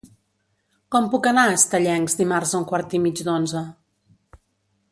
Com puc anar a Estellencs dimarts a un quart i mig d'onze?